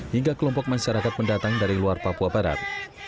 hingga kelompok masyarakat pendatang dari luar papua barat